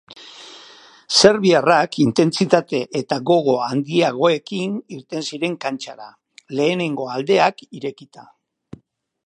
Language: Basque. Serbiarrak intentsitate eta gogo handiagoekin irten ziren kantxara, lehenengo aldeak irekita.